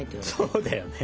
そうだよね。